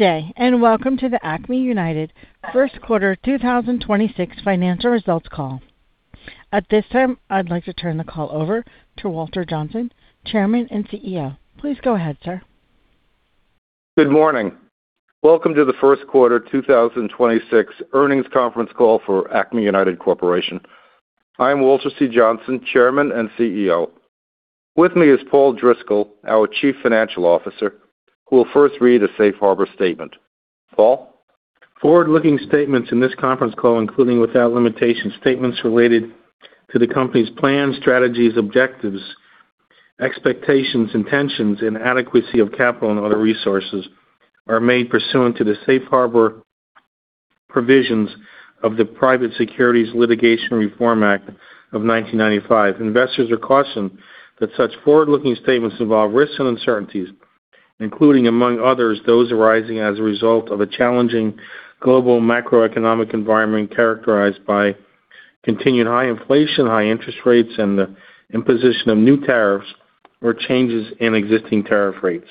Good day, and welcome to the Acme United first quarter 2026 financial results call. At this time, I'd like to turn the call over to Walter Johnsen, Chairman and CEO. Please go ahead, sir. Good morning. Welcome to the first quarter 2026 earnings conference call for Acme United Corporation. I'm Walter C. Johnsen, Chairman and CEO. With me is Paul G. Driscoll, our Chief Financial Officer, who will first read a safe harbor statement. Paul? Forward-looking statements in this conference call, including without limitation, statements related to the company's plans, strategies, objectives, expectations, intentions, and adequacy of capital and other resources are made pursuant to the safe harbor provisions of the Private Securities Litigation Reform Act of 1995. Investors are cautioned that such forward-looking statements involve risks and uncertainties, including, among others, those arising as a result of a challenging global macroeconomic environment characterized by continued high inflation, high interest rates, and the imposition of new tariffs or changes in existing tariff rates.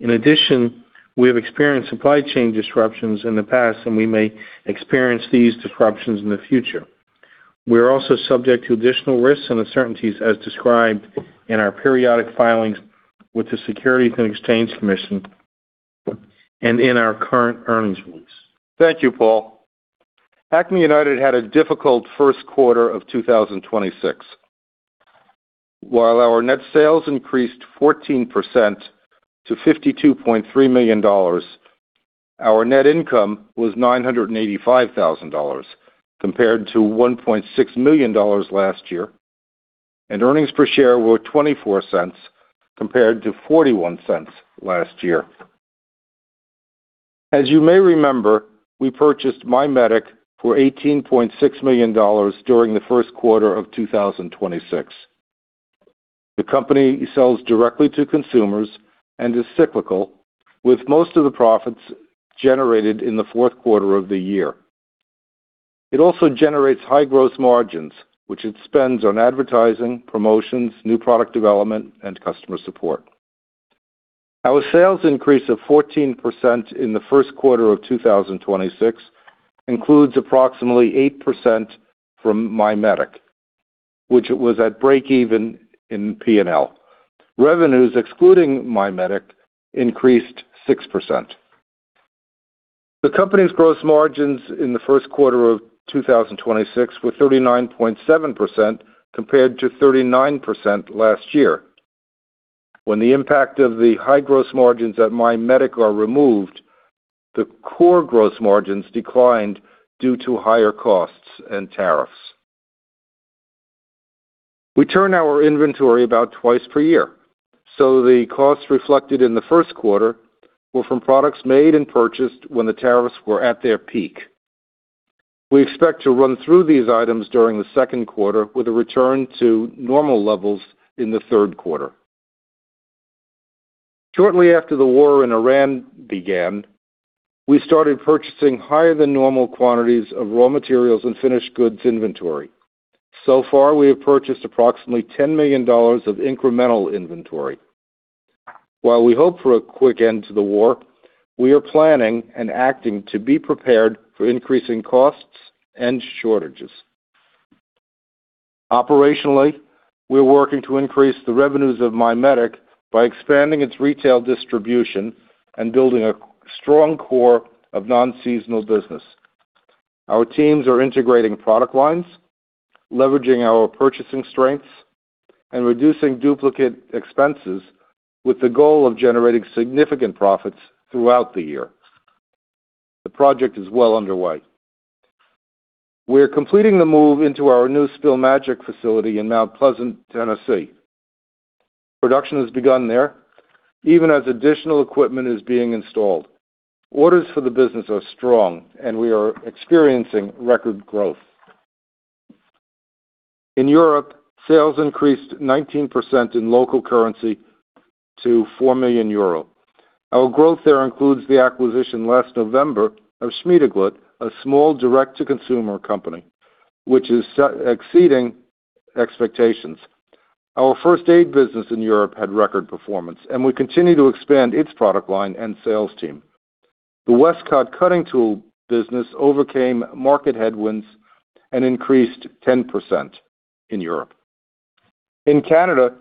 In addition, we have experienced supply chain disruptions in the past, and we may experience these disruptions in the future. We are also subject to additional risks and uncertainties as described in our periodic filings with the Securities and Exchange Commission and in our current earnings release. Thank you, Paul. Acme United had a difficult first quarter of 2026. While our net sales increased 14% to $52.3 million, our net income was $985,000 compared to $1.6 million last year, and earnings per share were $0.24 compared to $0.41 last year. As you may remember, we purchased MyMedic for $18.6 million during the first quarter of 2026. The company sells directly to consumers and is cyclical, with most of the profits generated in the fourth quarter of the year. It also generates high gross margins, which it spends on advertising, promotions, new product development, and customer support. Our sales increase of 14% in the first quarter of 2026 includes approximately 8% from MyMedic, which was at break-even in P&L. Revenues excluding MyMedic increased 6%. The company's gross margins in the first quarter of 2026 were 39.7% compared to 39% last year. When the impact of the high gross margins at MyMedic are removed, the core gross margins declined due to higher costs and tariffs. We turn our inventory about twice per year, so the costs reflected in the first quarter were from products made and purchased when the tariffs were at their peak. We expect to run through these items during the second quarter with a return to normal levels in the third quarter. Shortly after the war in Iran began, we started purchasing higher than normal quantities of raw materials and finished goods inventory. So far, we have purchased approximately $10 million of incremental inventory. While we hope for a quick end to the war, we are planning and acting to be prepared for increasing costs and shortages. Operationally, we're working to increase the revenues of MyMedic by expanding its retail distribution and building a strong core of non-seasonal business. Our teams are integrating product lines, leveraging our purchasing strengths, and reducing duplicate expenses with the goal of generating significant profits throughout the year. The project is well underway. We're completing the move into our new Spill Magic facility in Mount Pleasant, Tennessee. Production has begun there, even as additional equipment is being installed. Orders for the business are strong, and we are experiencing record growth. In Europe, sales increased 19% in local currency to 4 million euro. Our growth there includes the acquisition last November of Schmiedeglut, a small direct-to-consumer company, which is exceeding expectations. Our first aid business in Europe had record performance, and we continue to expand its product line and sales team. The Westcott cutting tool business overcame market headwinds and increased 10% in Europe. In Canada,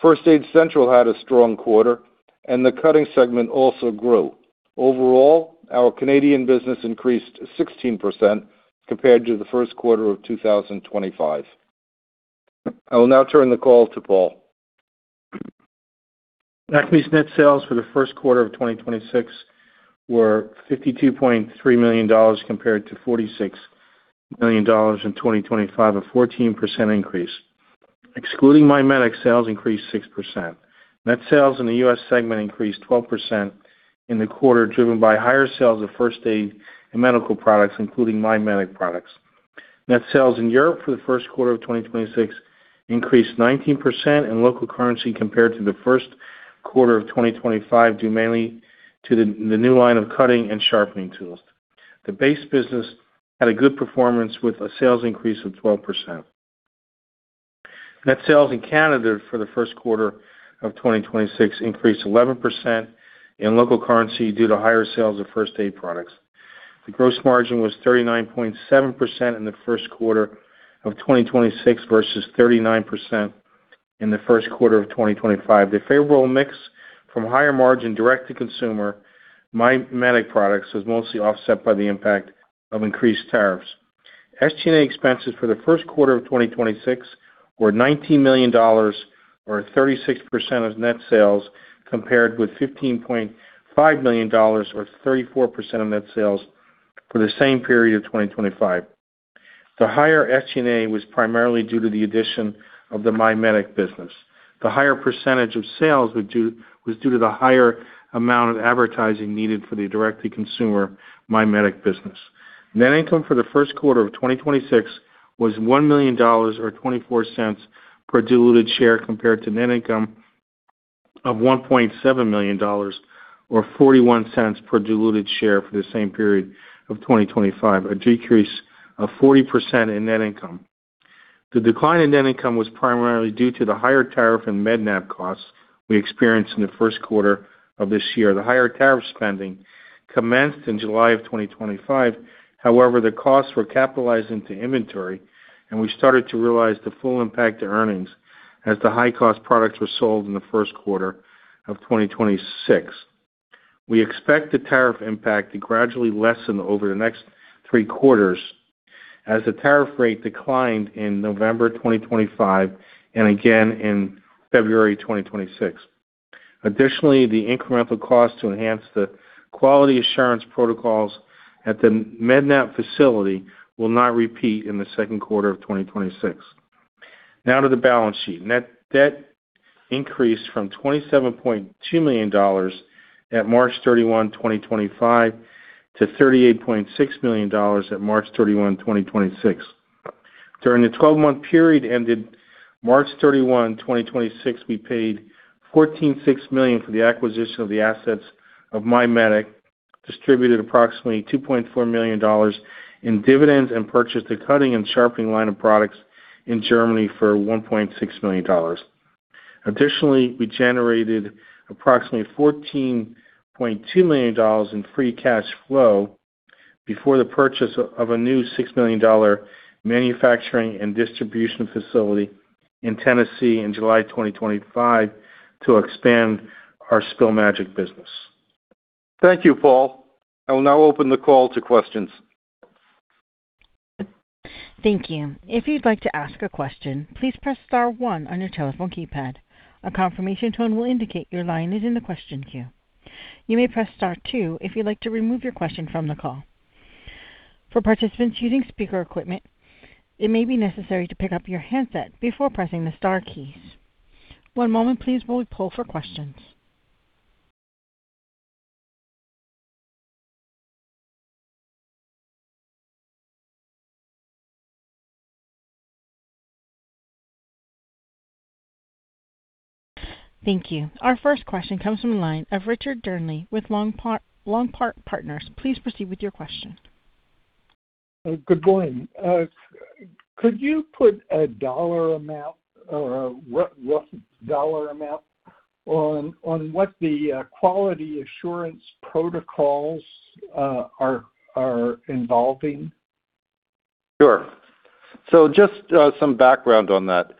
First Aid Central had a strong quarter, and the cutting segment also grew. Overall, our Canadian business increased 16% compared to the first quarter of 2025. I will now turn the call to Paul. Acme's net sales for the first quarter of 2026 were $52.3 million, compared to $46 million in 2025, a 14% increase. Excluding MyMedic, sales increased 6%. Net sales in the U.S. segment increased 12% in the quarter, driven by higher sales of first aid and medical products, including MyMedic products. Net sales in Europe for the first quarter of 2026 increased 19% in local currency compared to the first quarter of 2025, due mainly to the new line of cutting and sharpening tools. The base business had a good performance with a sales increase of 12%. Net sales in Canada for the first quarter of 2026 increased 11% in local currency due to higher sales of first aid products. The gross margin was 39.7% in the first quarter of 2026 versus 39% in the first quarter of 2025. The favorable mix from higher margin direct-to-consumer MyMedic products was mostly offset by the impact of increased tariffs. SG&A expenses for the first quarter of 2026 were $19 million, or 36% of net sales, compared with $15.5 million or 34% of net sales for the same period of 2025. The higher SG&A was primarily due to the addition of the MyMedic business. The higher percentage of sales was due to the higher amount of advertising needed for the direct-to-consumer MyMedic business. Net income for the first quarter of 2026 was $1 million or $0.24 per diluted share compared to net income of $1.7 million or $0.41 per diluted share for the same period of 2025, a decrease of 40% in net income. The decline in net income was primarily due to the higher tariff and Med-Nap costs we experienced in the first quarter of this year. The higher tariff spending commenced in July of 2025. However, the costs were capitalized into inventory, and we started to realize the full impact to earnings as the high-cost products were sold in the first quarter of 2026. We expect the tariff impact to gradually lessen over the next three quarters as the tariff rate declined in November 2025 and again in February 2026. Additionally, the incremental cost to enhance the quality assurance protocols at the Med-Nap facility will not repeat in the second quarter of 2026. Now to the balance sheet. Net debt increased from $27.2 million at March 31, 2025, to $38.6 million at March 31, 2026. During the 12-month period ended March 31, 2026, we paid $14.6 million for the acquisition of the assets of MyMedic, distributed approximately $2.4 million in dividends and purchased a cutting and sharpening line of products in Germany for $1.6 million. Additionally, we generated approximately $14.2 million in free cash flow before the purchase of a new $6 million manufacturing and distribution facility in Tennessee in July 2025 to expand our Spill Magic business. Thank you, Paul. I will now open the call to questions. Thank you. If you'd like to ask a question, please press star one on your telephone keypad. A confirmation tone will indicate your line is in the question queue. You may press star two if you'd like to remove your question from the call. For participants using speaker equipment, it may be necessary to pick up your handset before pressing the star keys. One moment please, while we poll for questions. Thank you. Our first question comes from the line of Richard Dearnley with Longbow Partners. Please proceed with your question. Good morning. Could you put a dollar amount or a rough dollar amount on what the quality assurance protocols are involving? Just some background on that.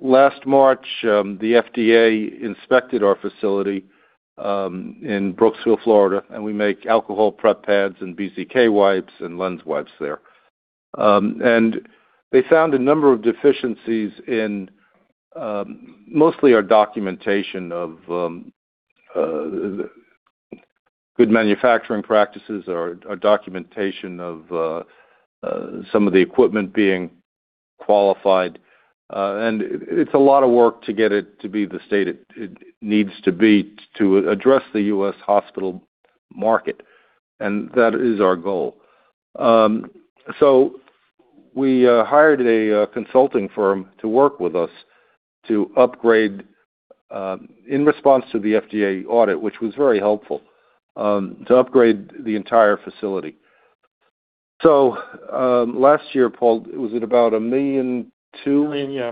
Last March, the FDA inspected our facility in Brooksville, Florida, and we make alcohol prep pads and BZK wipes and lens wipes there. They found a number of deficiencies in mostly our documentation of good manufacturing practices or documentation of some of the equipment being qualified. It's a lot of work to get it to be the state it needs to be to address the U.S. hospital market, and that is our goal. We hired a consulting firm to work with us to upgrade, in response to the FDA audit, which was very helpful, to upgrade the entire facility. Last year, Paul, was it about $1.2 million? Yeah. $1 million, yeah.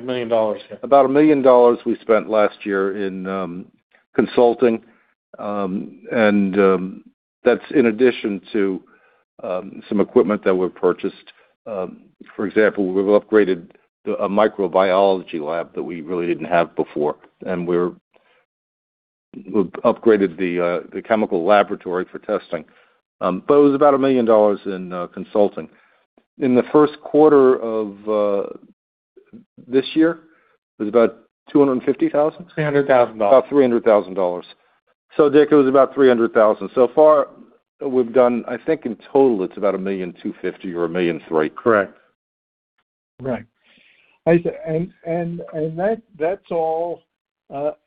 About $1 million we spent last year in consulting, and that's in addition to some equipment that were purchased. For example, we've upgraded a microbiology lab that we really didn't have before, and we've upgraded the chemical laboratory for testing. It was about $1 million in consulting. In the first quarter of this year, it was about $250,000? $300,000. About $300,000. Dick, it was about $300,000. So far we've done, I think in total it's about $1.25 million or $1.3 million. Correct. Right. That's all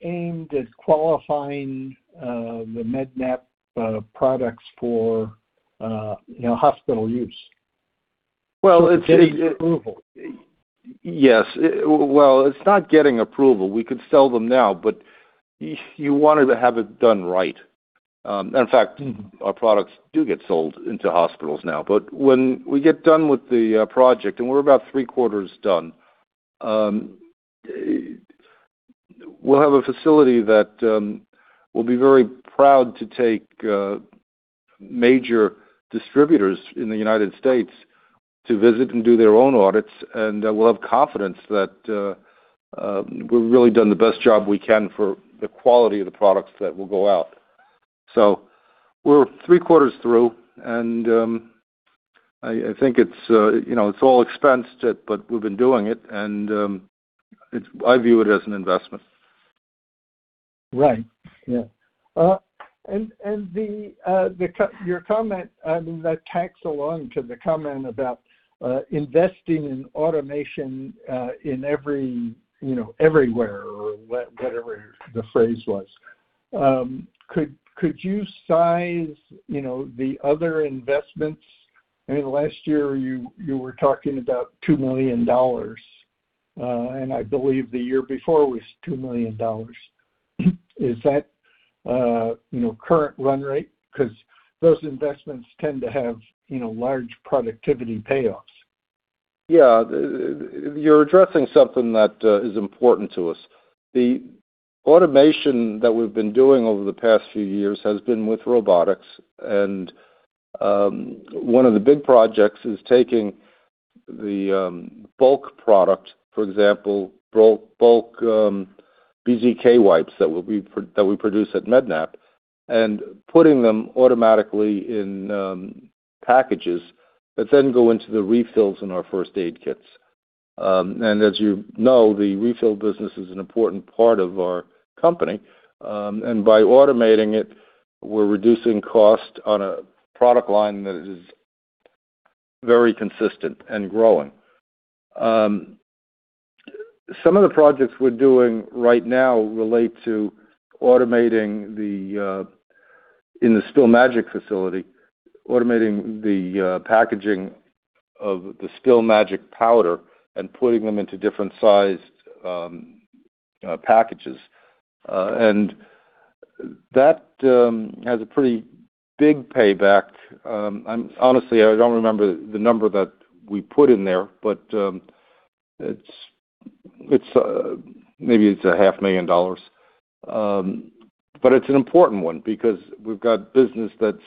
aimed at qualifying the Med-Nap products for hospital use. Well, it's Getting approval. Yes. Well, it's not getting approval. We could sell them now, but you wanted to have it done right. In fact, our products do get sold into hospitals now. When we get done with the project, and we're about three-quarters done, we'll have a facility that we'll be very proud to take major distributors in the United States to visit and do their own audits, and we'll have confidence that we've really done the best job we can for the quality of the products that will go out. We're three-quarters through, and I think it's all expensed it, but we've been doing it, and I view it as an investment. Right. Yeah. Your comment, I mean, that tracks along to the comment about investing in automation everywhere, or whatever the phrase was. Could you size the other investments? I mean, last year, you were talking about $2 million. I believe the year before was $2 million. Is that current run rate? Because those investments tend to have large productivity payoffs. Yeah. You're addressing something that is important to us. The automation that we've been doing over the past few years has been with robotics. One of the big projects is taking the bulk product, for example, bulk BZK wipes that we produce at Med-Nap, and putting them automatically in packages that then go into the refills in our first aid kits. As you know, the refill business is an important part of our company. By automating it, we're reducing cost on a product line that is very consistent and growing. Some of the projects we're doing right now relate to automating, in the Spill Magic facility, automating the packaging of the Spill Magic powder and putting them into different sized packages. That has a pretty big payback. Honestly, I don't remember the number that we put in there, but maybe it's $500,000. It's an important one because we've got business that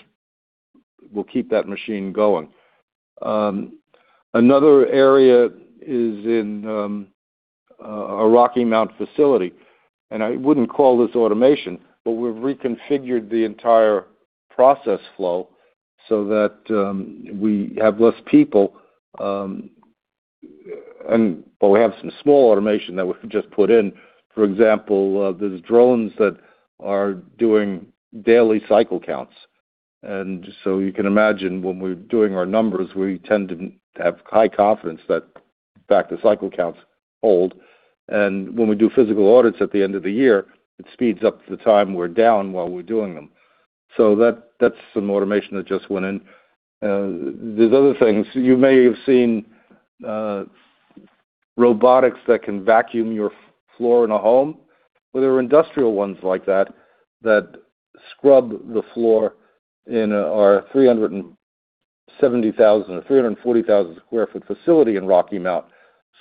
will keep that machine going. Another area is in our Rocky Mount facility, and I wouldn't call this automation, but we've reconfigured the entire process flow so that we have less people, but we have some small automation that we just put in. For example, there's drones that are doing daily cycle counts. You can imagine when we're doing our numbers, we tend to have high confidence that, in fact, the cycle counts hold. When we do physical audits at the end of the year, it speeds up the time we're down while we're doing them. That's some automation that just went in. There's other things. You may have seen robotics that can vacuum your floor in a home. Well, there are industrial ones like that that scrub the floor in our 370,000 or 340,000 sq ft facility in Rocky Mount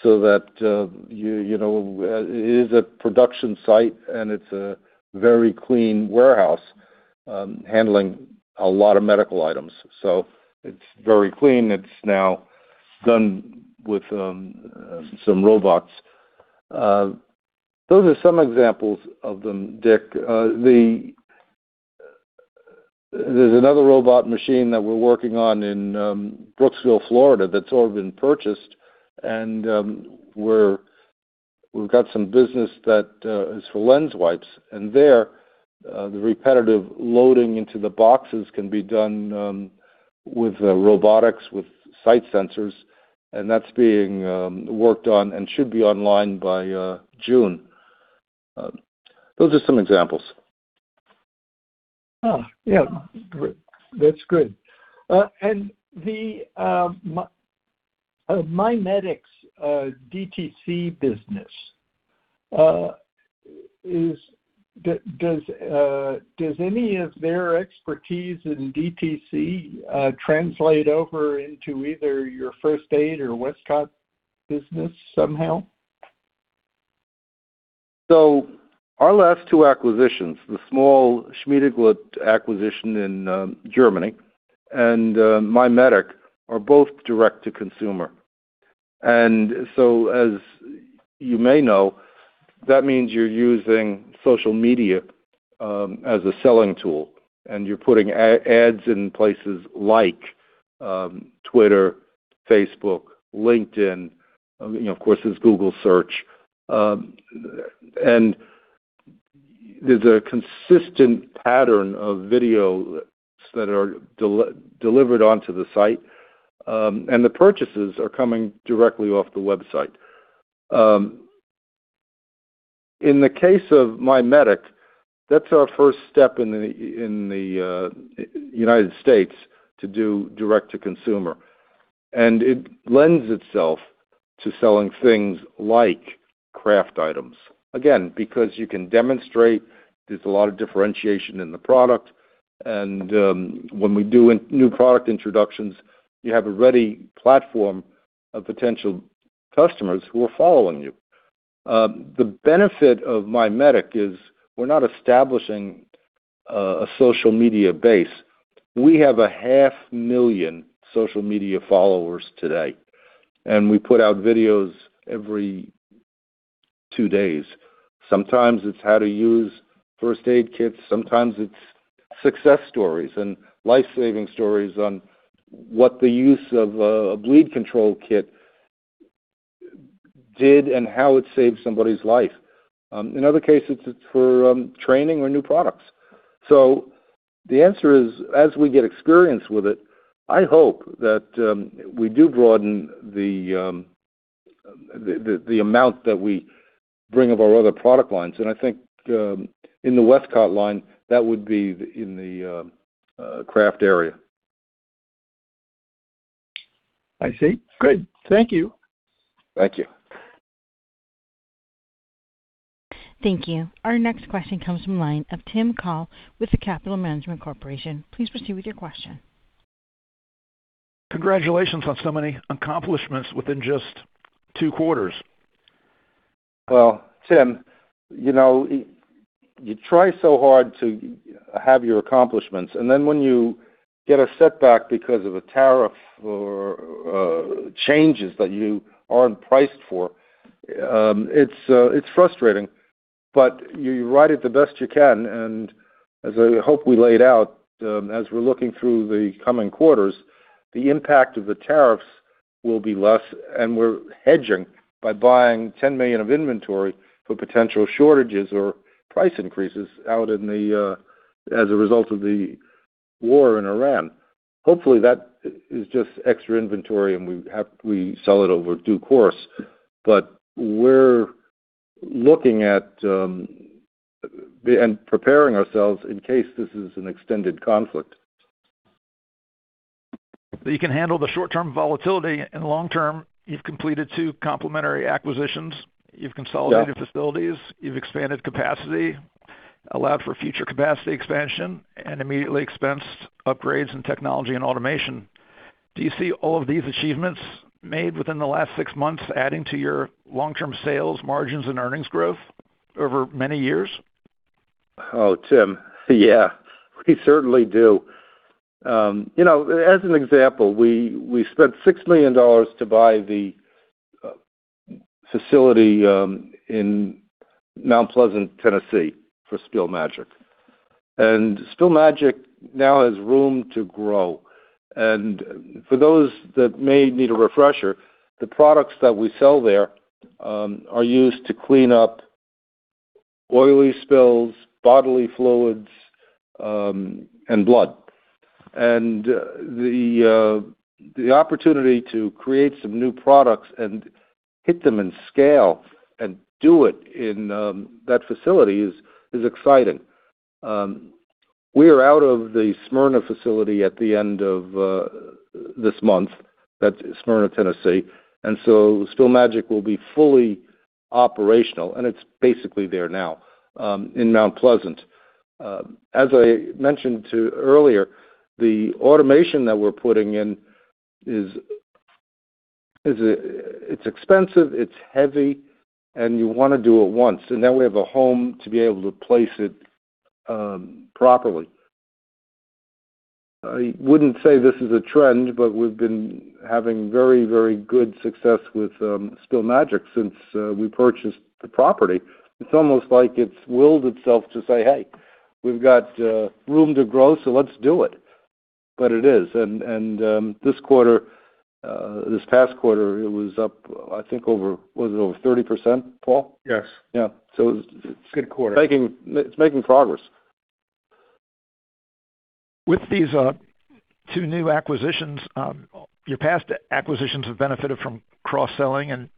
so that it is a production site, and it's a very clean warehouse handling a lot of medical items. It's very clean. It's now done with some robots. Those are some examples of them, Dick. There's another robot machine that we're working on in Brooksville, Florida, that's already been purchased, and we've got some business that is for lens wipes. There, the repetitive loading into the boxes can be done with robotics, with site sensors, and that's being worked on and should be online by June. Those are some examples. Oh, yeah. Great. That's good. The MyMedic DTC business, does any of their expertise in DTC translate over into either your First Aid or Westcott business somehow? Our last two acquisitions, the small Schmiedeglut acquisition in Germany and MyMedic, are both direct-to-consumer. As you may know, that means you're using social media as a selling tool, and you're putting ads in places like Twitter, Facebook, LinkedIn, of course, there's Google Search. There's a consistent pattern of videos that are delivered onto the site, and the purchases are coming directly off the website. In the case of MyMedic, that's our first step in the United States to do direct-to-consumer. It lends itself to selling things like craft items. Again, because you can demonstrate there's a lot of differentiation in the product, and when we do new product introductions, you have a ready platform of potential customers who are following you. The benefit of MyMedic is we're not establishing a social media base. We have 500,000 social media followers today, and we put out videos every two days. Sometimes it's how to use first aid kits, sometimes it's success stories and life-saving stories on what the use of a bleed control kit did and how it saved somebody's life. In other cases, it's for training or new products. The answer is, as we get experience with it, I hope that we do broaden the amount that we bring of our other product lines. I think in the Westcott line, that would be in the craft area. I see. Good. Thank you. Thank you. Thank you. Our next question comes from the line of Tim Call with The Capital Management Corporation. Please proceed with your question. Congratulations on so many accomplishments within just two quarters. Well, Tim, you try so hard to have your accomplishments, and then when you get a setback because of a tariff or changes that you aren't priced for, it's frustrating. You ride it the best you can, and as I hope we laid out, as we're looking through the coming quarters, the impact of the tariffs will be less, and we're hedging by buying $10 million of inventory for potential shortages or price increases out as a result of the war in Iran. Hopefully, that is just extra inventory and we sell it over the course. We're looking at and preparing ourselves in case this is an extended conflict. You can handle the short-term volatility. In the long term, you've completed two complementary acquisitions. You've consolidated facilities, you've expanded capacity, allowed for future capacity expansion, and immediately expensed upgrades in technology and automation. Do you see all of these achievements made within the last six months adding to your long-term sales, margins, and earnings growth over many years? Oh, Tim. Yeah, we certainly do. As an example, we spent $6 million to buy the facility in Mount Pleasant, Tennessee for Spill Magic. Spill Magic now has room to grow. For those that may need a refresher, the products that we sell there are used to clean up oily spills, bodily fluids, and blood. The opportunity to create some new products and hit them in scale and do it in that facility is exciting. We are out of the Smyrna facility at the end of this month. That's Smyrna, Tennessee. Spill Magic will be fully operational, and it's basically there now in Mount Pleasant. As I mentioned too earlier, the automation that we're putting in, it's expensive, it's heavy, and you want to do it once. Now we have a home to be able to place it properly. I wouldn't say this is a trend, but we've been having very, very good success with Spill Magic since we purchased the property. It's almost like it's willed itself to say, "Hey, we've got room to grow, so let's do it." It is. This past quarter, it was up, I think over, was it over 30%, Paul? Yes. Yeah. It's good quarter. It's making progress. With these two new acquisitions, your past acquisitions have benefited from cross-selling and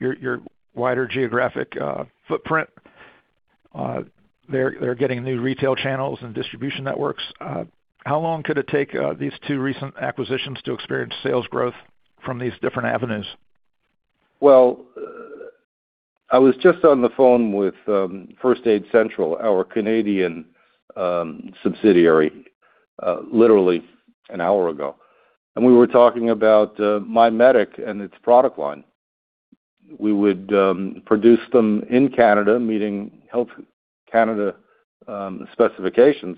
your wider geographic footprint. They're getting new retail channels and distribution networks. How long could it take these two recent acquisitions to experience sales growth from these different avenues? Well, I was just on the phone with First Aid Central, our Canadian subsidiary, literally an hour ago. We were talking about MyMedic and its product line. We would produce them in Canada, meeting Health Canada specifications.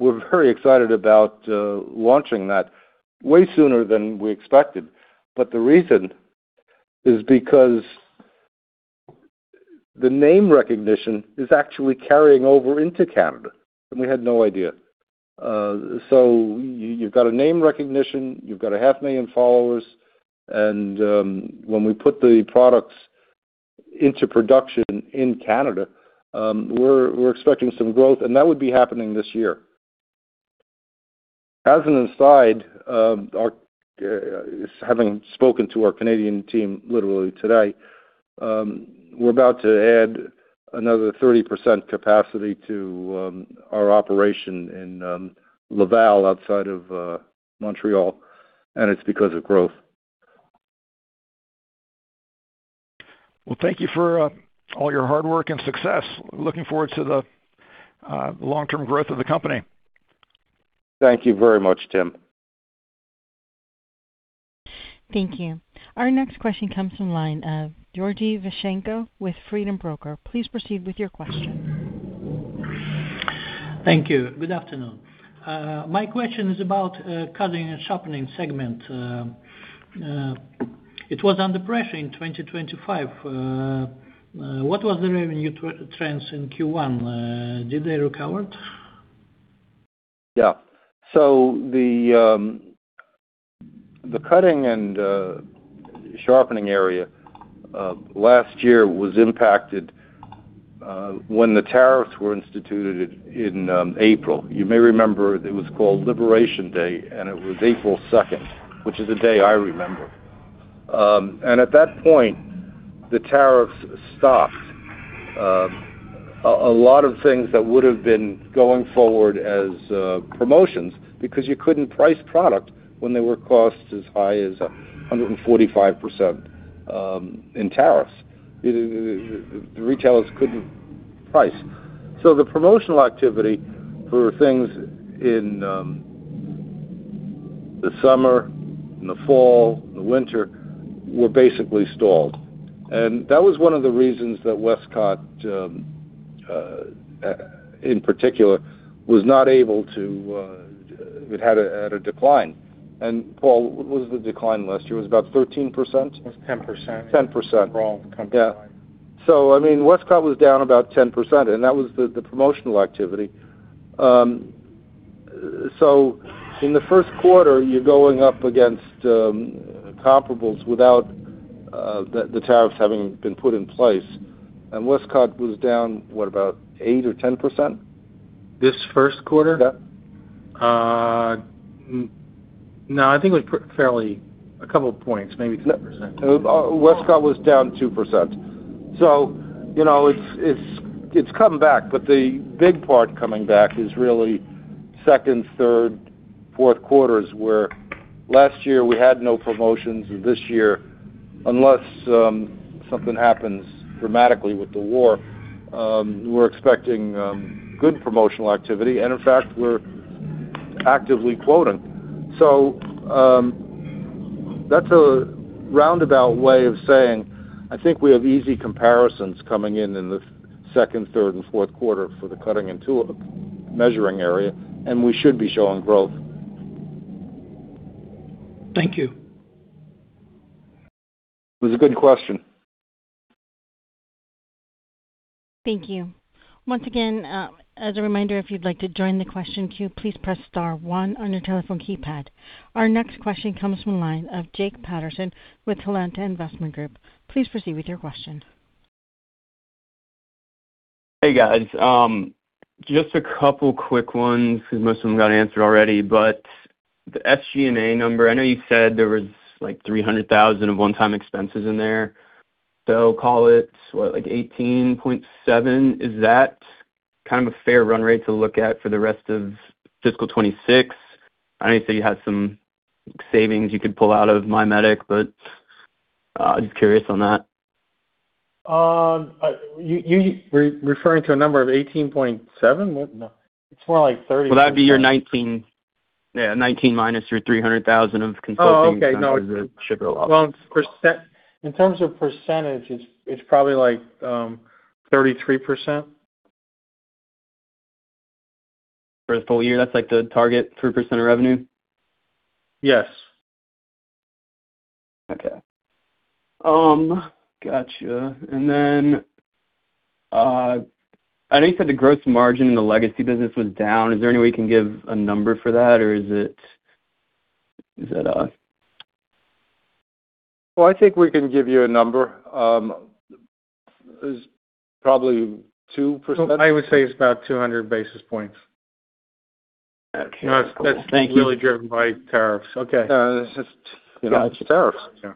We're very excited about launching that way sooner than we expected. The reason is because the name recognition is actually carrying over into Canada, and we had no idea. You've got a name recognition, you've got a half million followers, and when we put the products into production in Canada, we're expecting some growth, and that would be happening this year. As an aside, having spoken to our Canadian team literally today, we're about to add another 30% capacity to our operation in Laval, outside of Montreal, and it's because of growth. Well, thank you for all your hard work and success. Looking forward to the long-term growth of the company. Thank you very much, Tim. Thank you. Our next question comes from the line of Georgie Vishenko with Freedom Broker. Please proceed with your question. Thank you. Good afternoon. My question is about cutting and sharpening segment. It was under pressure in 2025. What was the revenue trends in Q1? Did they recover? Yeah. The cutting and sharpening area last year was impacted when the tariffs were instituted in April. You may remember it was called Liberation Day, and it was April 2nd, which is a day I remember. At that point, the tariffs stopped a lot of things that would've been going forward as promotions because you couldn't price product when there were costs as high as 145% in tariffs. The retailers couldn't price. The promotional activity for things in the summer, in the fall, in the winter were basically stalled. That was one of the reasons that Westcott, in particular, it had a decline. Paul, what was the decline last year? It was about 13%. It was 10%. 10%. Overall company wide. Yeah. Westcott was down about 10%, and that was the promotional activity. In the first quarter, you're going up against comparables without the tariffs having been put in place. Westcott was down, what, about 8% or 10%? This first quarter? Yeah. No, I think it was barely a couple points, maybe 2%. Westcott was down 2%. It's come back, but the big part coming back is really second, third, fourth quarters, where last year we had no promotions, and this year, unless something happens dramatically with the war, we're expecting good promotional activity. In fact, we're actively quoting. That's a roundabout way of saying I think we have easy comparisons coming in in the second, third and fourth quarter for the cutting and measuring tools area, and we should be showing growth. Thank you. It was a good question. Thank you. Once again, as a reminder, if you'd like to join the question queue, please press star one on your telephone keypad. Our next question comes from the line of Jake Patterson with Talanta Investment Group. Please proceed with your question. Hey, guys. Just a couple quick ones, because most of them got answered already. The SG&A number, I know you said there was like $300,000 of one-time expenses in there. Call it what? Like $18.7 million. Is that kind of a fair run rate to look at for the rest of fiscal 2026? I know you said you had some savings you could pull out of MyMedic, but I'm just curious on that. You were referring to a number of 18.7? What? No. It's more like 30. Well, that'd be your $19 minus your $300,000 of consulting. Oh, okay. No. Should be a lot. Well, in terms of percentage, it's probably like 33%. For a full year, that's like the target 3% of revenue? Yes. Okay. Gotcha. I know you said the gross margin in the legacy business was down. Is there any way you can give a number for that, or is it? Well, I think we can give you a number. It's probably 2%. I would say it's about 200 basis points. Okay. Cool. Thank you. That's really driven by tariffs. Okay. It's just tariffs. Yeah.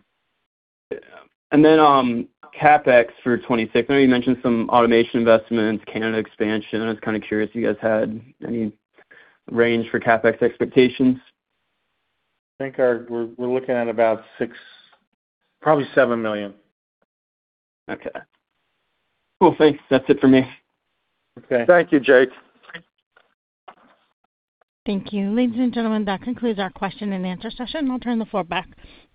CapEx for 2026. I know you mentioned some automation investments, Canada expansion. I was kind of curious if you guys had any range for CapEx expectations. I think we're looking at about $6 million. Probably $7 million. Okay. Cool. Thanks. That's it for me. Okay. Thank you, Jake. Thank you. Ladies and gentlemen, that concludes our question and answer session. I'll turn the floor back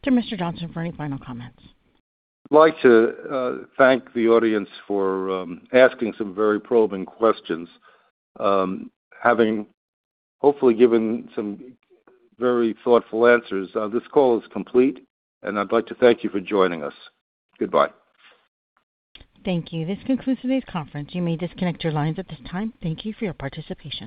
to Mr. Johnsen for any final comments. Like to thank the audience for asking some very probing questions and having hopefully given some very thoughtful answers. This call is complete, and I'd like to thank you for joining us. Goodbye. Thank you. This concludes today's conference. You may disconnect your lines at this time. Thank you for your participation.